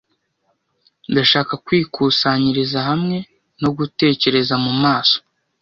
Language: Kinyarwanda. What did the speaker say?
ndashaka kwikusanyiriza hamwe no gutekereza mumaso